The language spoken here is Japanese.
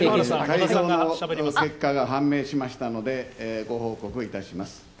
結果が判明しましたのでご報告いたします。